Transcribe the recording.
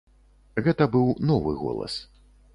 Гэта быў новы голас.